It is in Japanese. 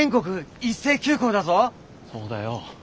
そうだよ。